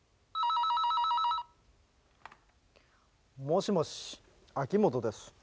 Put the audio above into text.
☎もしもし秋元です。